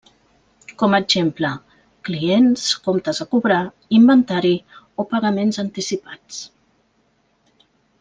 Com a exemple: clients, comptes a cobrar, inventari, o pagaments anticipats.